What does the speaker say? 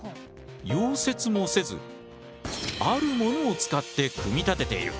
溶接もせずあるものを使って組み立てている。